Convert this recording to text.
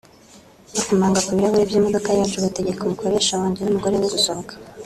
bakomanga ku birahuri by’imodoka yacu bategeka umukoresha wanjye n’umugore we gusohoka